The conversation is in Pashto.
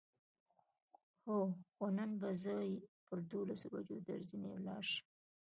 هو، خو نن به زه پر دولسو بجو درځنې ولاړ شم.